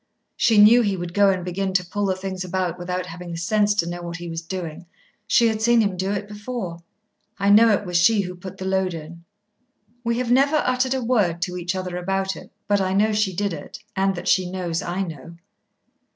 She knew he would go and begin to pull the things about without having the sense to know what he was doing. She had seen him do it before. I know it was she who put the load in. We have never uttered a word to each other about it, but I know she did it, and that she knows I know.